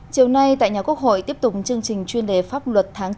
chiều nay tại nhà quốc hội tiếp tục chương trình chuyên đề pháp luật tháng bốn